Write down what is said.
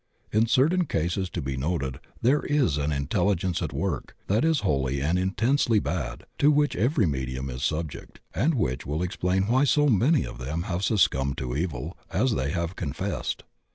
In certain cases to be noted there is an intelligence at work that is wholly and intensely bad, to which every medium is subject, and which wiU explain why so many of them have succumbed to evil, as they have confessed.